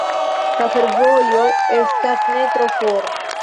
La fervojo estas ne tro for.